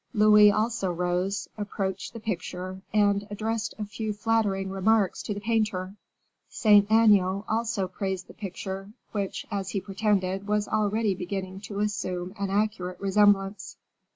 Louis also rose, approached the picture, and addressed a few flattering remarks to the painter. Saint Aignan also praised the picture, which, as he pretended, was already beginning to assume an accurate resemblance.